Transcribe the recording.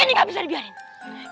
ini gak bisa dibiarin